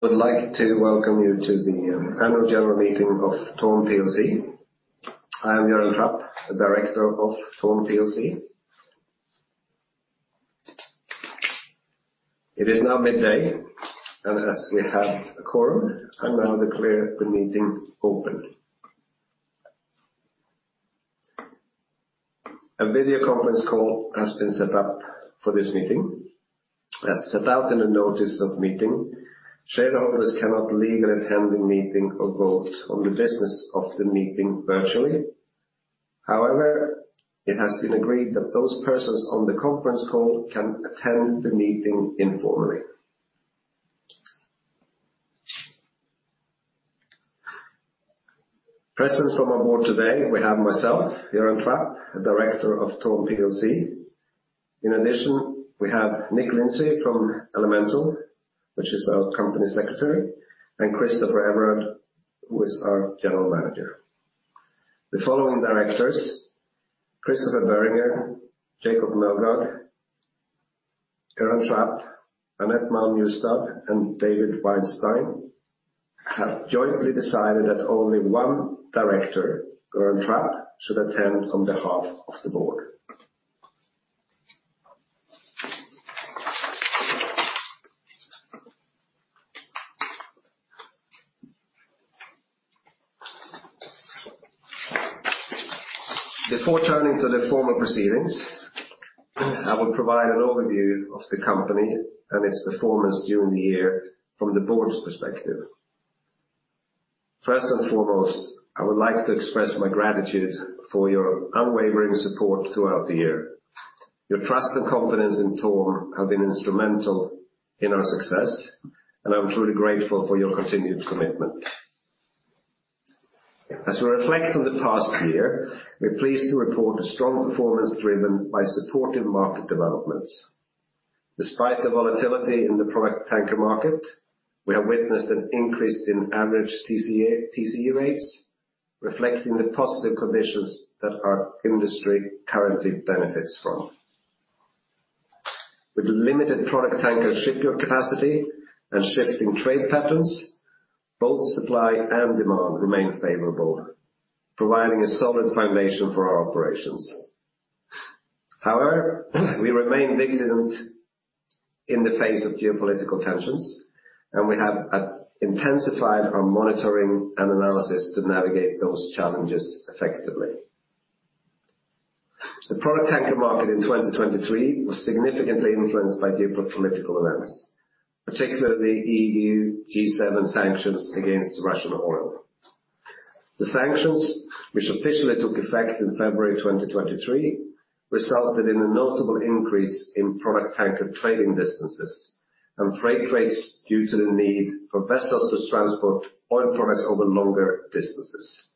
I would like to welcome you to the Annual General Meeting of TORM plc. I am Göran Trapp, the Director of TORM plc. It is now midday, and as we have a quorum, I now declare the meeting open. A video conference call has been set up for this meeting. As set out in the notice of meeting, shareholders cannot legally attend the meeting or vote on the business of the meeting virtually. However, it has been agreed that those persons on the conference call can attend the meeting informally. Present from our board today, we have myself, Göran Trapp, the Director of TORM plc. In addition, we have Nick Lindsay from Elemental, which is our company Secretary, and Christopher Everard, who is our General Manager. The following Directors: Christopher Boehringer, Jacob Meldgaard, Göran Trapp, Annette Malm Justad, and David Weinstein, have jointly decided that only one Director, Göran Trapp, should attend on behalf of the board. Before turning to the formal proceedings, I will provide an overview of the company and its performance during the year from the board's perspective. First and foremost, I would like to express my gratitude for your unwavering support throughout the year. Your trust and confidence in TORM have been instrumental in our success, and I'm truly grateful for your continued commitment. As we reflect on the past year, we're pleased to report a strong performance driven by supportive market developments. Despite the volatility in the product tanker market, we have witnessed an increase in average TCE rates, reflecting the positive conditions that our industry currently benefits from. With limited product tanker shipyard capacity and shifting trade patterns, both supply and demand remain favorable, providing a solid foundation for our operations. However, we remain vigilant in the face of geopolitical tensions, and we have intensified our monitoring and analysis to navigate those challenges effectively. The product tanker market in 2023 was significantly influenced by geopolitical events, particularly E.U. G7 sanctions against Russian oil. The sanctions, which officially took effect in February 2023, resulted in a notable increase in product tanker trading distances and freight rates due to the need for vessels to transport oil products over longer distances.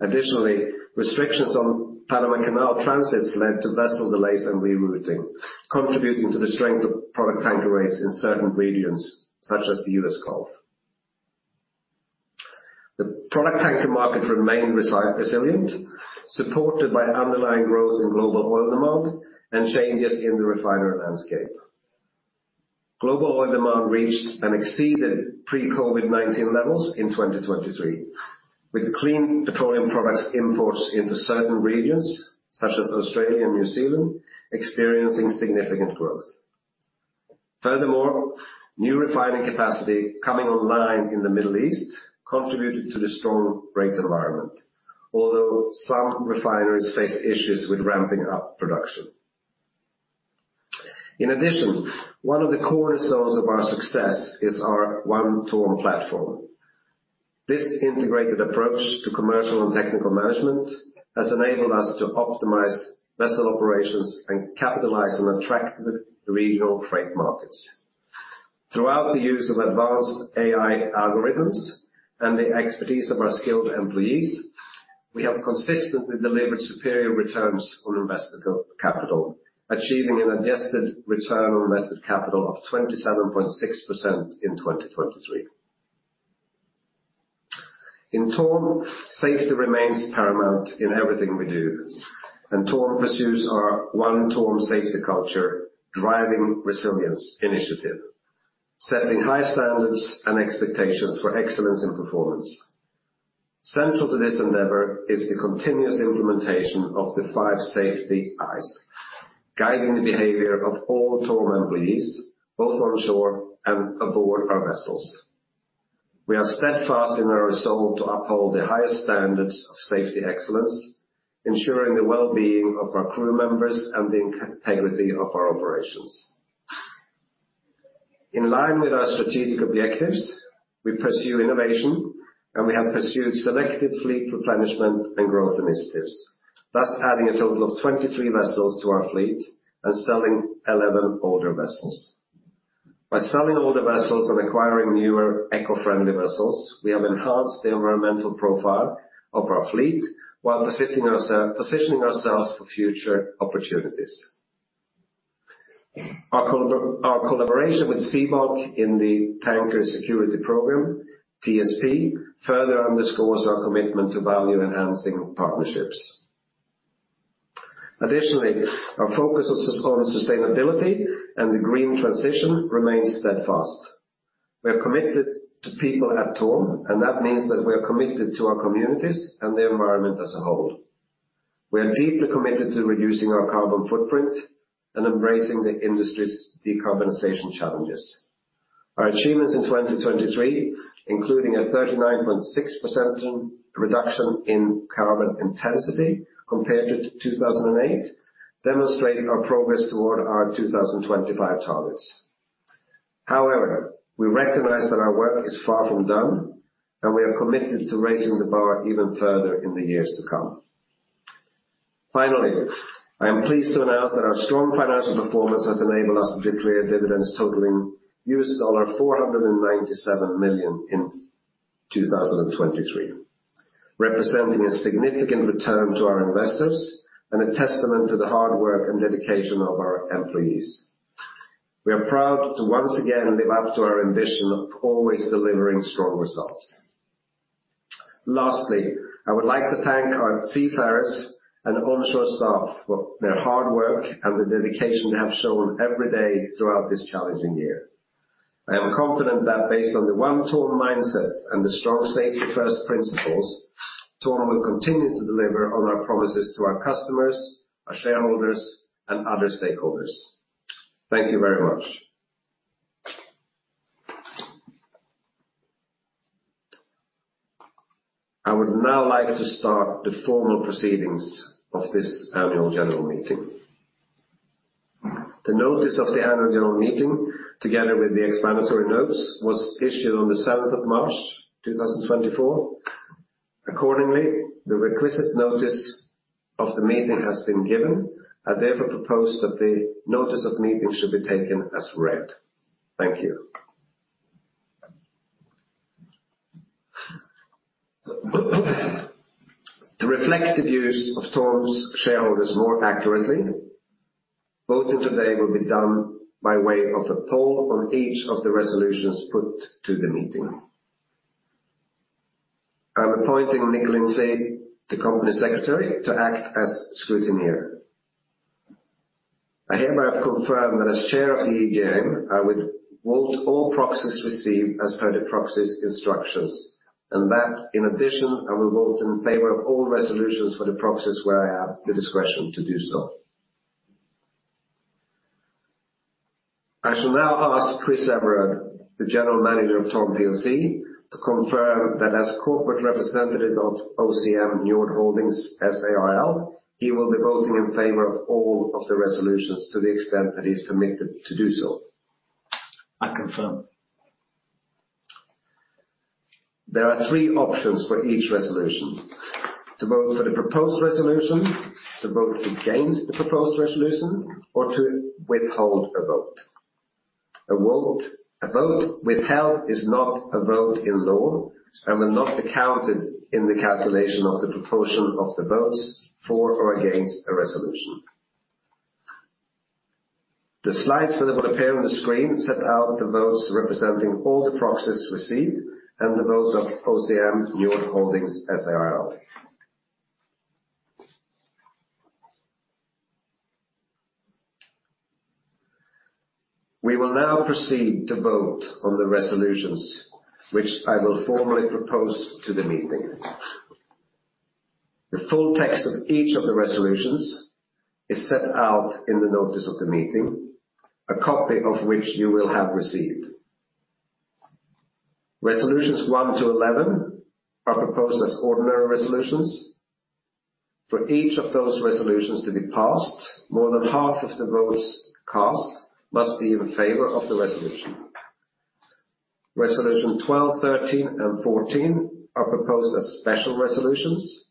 Additionally, restrictions on Panama Canal transits led to vessel delays and rerouting, contributing to the strength of product tanker rates in certain regions, such as the U.S. Gulf. The product tanker market remained resilient, supported by underlying growth in global oil demand and changes in the refinery landscape. Global oil demand reached and exceeded pre-COVID-19 levels in 2023, with clean petroleum products imports into certain regions, such as Australia and New Zealand, experiencing significant growth. Furthermore, new refining capacity coming online in the Middle East contributed to the strong rate environment, although some refineries faced issues with ramping up production. In addition, one of the cornerstones of our success is our One TORM platform. This integrated approach to commercial and technical management has enabled us to optimize vessel operations and capitalize on attractive regional freight markets. Throughout the use of advanced AI algorithms and the expertise of our skilled employees, we have consistently delivered superior returns on invested capital, achieving an adjusted return on invested capital of 27.6% in 2023. In TORM, safety remains paramount in everything we do, and TORM pursues our One TORM Safety Culture, Driving Resilience initiative, setting high standards and expectations for excellence in performance. Central to this endeavor is the continuous implementation of the Five Safety I's, guiding the behavior of all TORM employees, both onshore and aboard our vessels. We are steadfast in our resolve to uphold the highest standards of safety excellence, ensuring the well-being of our crew members and the integrity of our operations. In line with our strategic objectives, we pursue innovation, and we have pursued selective fleet replenishment and growth initiatives, thus adding a total of 23 vessels to our fleet and selling 11 older vessels. By selling older vessels and acquiring newer, eco-friendly vessels, we have enhanced the environmental profile of our fleet while positioning ourselves for future opportunities. Our collaboration with Seabulk in the Tanker Security Program, TSP, further underscores our commitment to value-enhancing partnerships. Additionally, our focus on sustainability and the green transition remains steadfast. We are committed to people at TORM, and that means that we are committed to our communities and the environment as a whole. We are deeply committed to reducing our carbon footprint and embracing the industry's decarbonization challenges. Our achievements in 2023, including a 39.6% reduction in carbon intensity compared to 2008, demonstrating our progress toward our 2025 targets. However, we recognize that our work is far from done, and we are committed to raising the bar even further in the years to come. Finally, I am pleased to announce that our strong financial performance has enabled us to declare dividends totaling $497 million in 2023, representing a significant return to our investors and a testament to the hard work and dedication of our employees. We are proud to once again live up to our ambition of always delivering strong results. Lastly, I would like to thank our seafarers and onshore staff for their hard work and the dedication they have shown every day throughout this challenging year. I am confident that based on the One TORM mindset and the strong safety-first principles, TORM will continue to deliver on our promises to our customers, our shareholders, and other stakeholders. Thank you very much. I would now like to start the formal proceedings of this Annual General Meeting. The notice of the Annual General Meeting, together with the explanatory notes, was issued on the 7th of March, 2024. Accordingly, the requisite notice of the meeting has been given. I therefore propose that the notice of meeting should be taken as read. Thank you. To reflect the views of TORM's shareholders more accurately, voting today will be done by way of the poll on each of the resolutions put to the meeting. I'm appointing Nick Lindsay, the company secretary, to act as scrutineer. I hereby confirm that as Chair of the AGM, I would vote all proxies received as per the proxy's instructions, and that, in addition, I will vote in favor of all resolutions for the proxies where I have the discretion to do so. I shall now ask Chris Everard, the General Manager of TORM plc, to confirm that as corporate representative of OCM Njord Holdings S.à r.l., he will be voting in favor of all of the resolutions to the extent that he's permitted to do so. I confirm. There are three options for each resolution: to vote for the proposed resolution, to vote against the proposed resolution, or to withhold a vote. A vote withheld is not a vote in law and will not be counted in the calculation of the proportion of the votes for or against a resolution. The slides that will appear on the screen set out the votes representing all the proxies received and the vote of OCM Njord Holdings as they are. We will now proceed to vote on the resolutions, which I will formally propose to the meeting. The full text of each of the resolutions is set out in the notice of the meeting, a copy of which you will have received. Resolutions one to 11 are proposed as ordinary resolutions. For each of those resolutions to be passed, more than half of the votes cast must be in favor of the resolution. Resolution 12, 13, and 14 are proposed as special resolutions.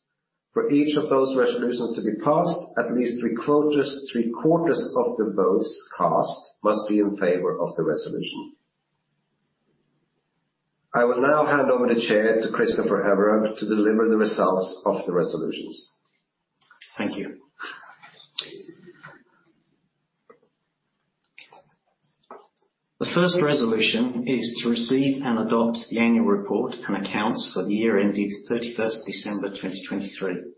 For each of those resolutions to be passed, at least three quarters, three-quarters of the votes cast must be in favor of the resolution. I will now hand over the Chair to Christopher Everard to deliver the results of the resolutions. Thank you. The first resolution is to receive and adopt the Annual Report and Accounts for the year ending 31st December 2023.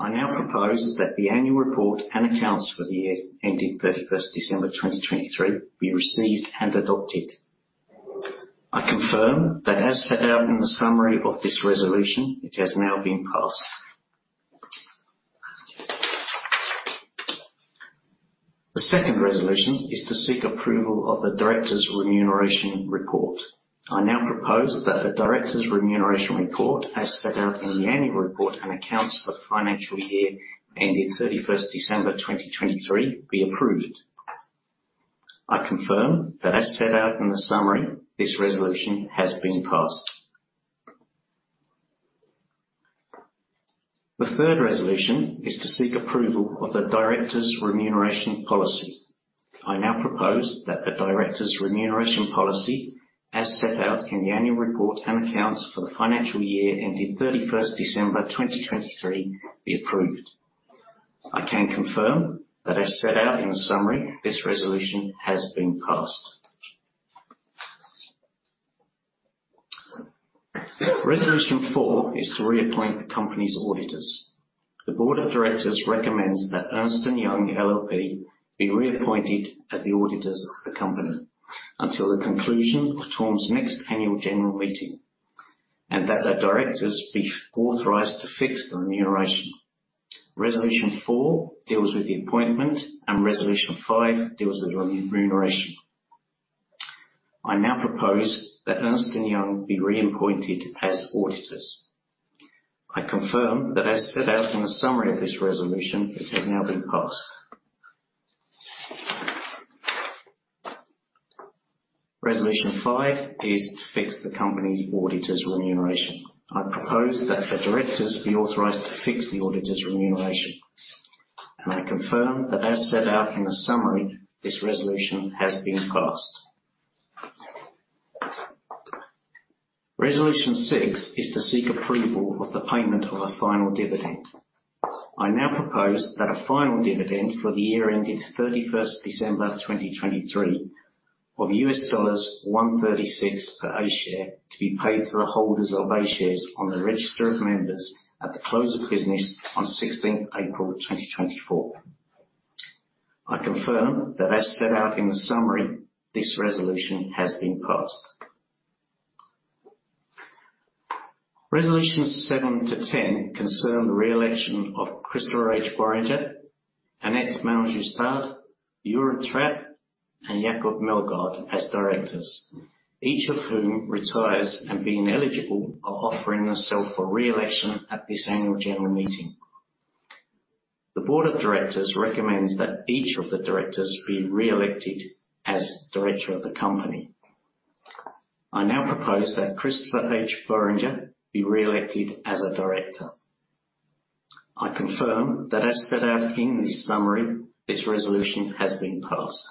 I now propose that the Annual Report and Accounts for the year ending 31st December 2023 be received and adopted. I confirm that as set out in the summary of this resolution, it has now been passed. The second resolution is to seek approval of the Directors' Remuneration Report. I now propose that the Directors' Remuneration Report, as set out in the Annual Report and Accounts for the financial year ending 31st December 2023, be approved. I confirm that as set out in the summary, this resolution has been passed. The third resolution is to seek approval of the Directors' Remuneration Policy. I now propose that the Directors' Remuneration Policy, as set out in the Annual Report and Accounts for the financial year ending 31 December 2023, be approved. I can confirm that as set out in the summary, this resolution has been passed. Resolution 4 is to reappoint the company's auditors. The Board of Directors recommends that Ernst & Young LLP be reappointed as the auditors of the company until the conclusion of TORM's next Annual General Meeting, and that the Directors be authorized to fix the remuneration. Resolution 4 deals with the appointment, and resolution 5 deals with remuneration. I now propose that Ernst & Young be reappointed as auditors. I confirm that as set out in the summary of this resolution, it has now been passed. Resolution 5 is to fix the company's auditors' remuneration. I propose that the Directors be authorized to fix the auditors' remuneration, and I confirm that, as set out in the summary, this resolution has been passed. Resolution 6 is to seek approval of the payment of a final dividend. I now propose that a final dividend for the year ending 31st December 2023, of $1.36 per A Share to be paid to the holders of A Shares on the register of members at the close of business on 16th April 2024. I confirm that, as set out in the summary, this resolution has been passed. Resolution 7 to 10 concern the re-election of Christopher H. Boehringer, Annette Malm Justad, Göran Trapp, and Jacob Meldgaard as Directors, each of whom retires and being eligible, are offering themselves for re-election at this Annual General Meeting. The Board of Directors recommends that each of the Directors be re-elected as Director of the company. I now propose that Christopher H. Boehringer be re-elected as a Director. I confirm that as set out in this summary, this resolution has been passed.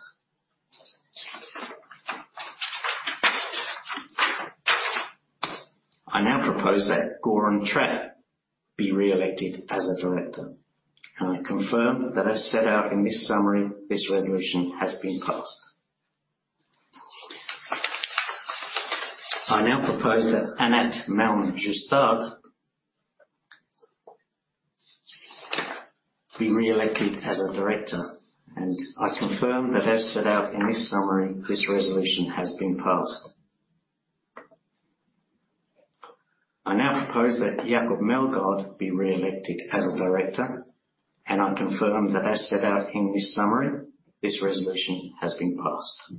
I now propose that Göran Trapp be re-elected as a Director, and I confirm that as set out in this summary, this resolution has been passed. I now propose that Annette Malm Justad be re-elected as a Director, and I confirm that as set out in this summary, this resolution has been passed. I now propose that Jacob Meldgaard be re-elected as a Director, and I confirm that as set out in this summary, this resolution has been passed.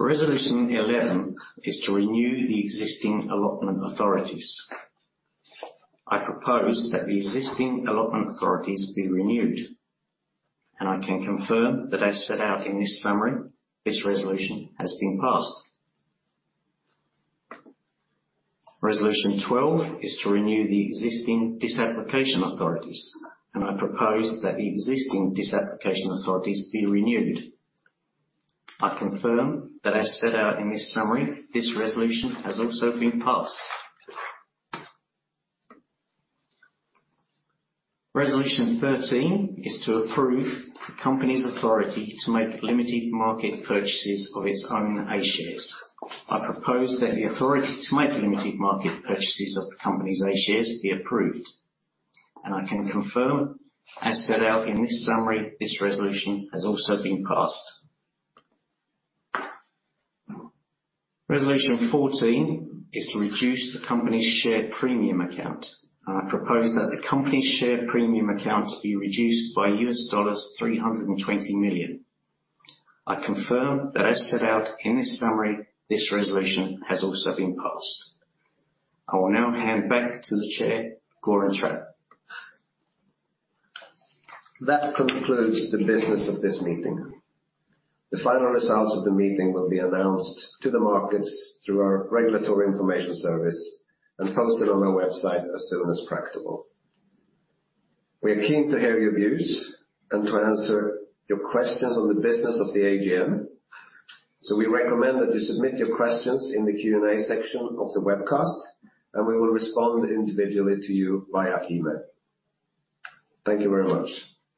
Resolution 11 is to renew the existing allotment authorities. I propose that the existing allotment authorities be renewed, and I can confirm that as set out in this summary, this resolution has been passed. Resolution 12 is to renew the existing disapplication authorities, and I propose that the existing disapplication authorities be renewed. I confirm that as set out in this summary, this resolution has also been passed. Resolution 13 is to approve the company's authority to make limited market purchases of its own A shares. I propose that the authority to make limited market purchases of the company's A shares be approved, and I can confirm, as set out in this summary, this resolution has also been passed. Resolution 14 is to reduce the company's Share Premium Account. I propose that the company's Share Premium Account be reduced by $300 million. I confirm that as set out in this summary, this resolution has also been passed. I will now hand back to the Chair, Göran Trapp. That concludes the business of this meeting. The final results of the meeting will be announced to the markets through our regulatory information service and posted on our website as soon as practicable. We are keen to hear your views and to answer your questions on the business of the AGM. So we recommend that you submit your questions in the Q&A section of the webcast, and we will respond individually to you via email. Thank you very much.